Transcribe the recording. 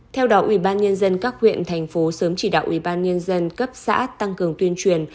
theo đạo ubnd các huyện thành phố sớm chỉ đạo ubnd cấp xã tăng cường tuyên truyền